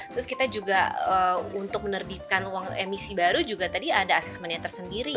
terus kita juga untuk menerbitkan uang emisi baru juga tadi ada asesmennya tersendiri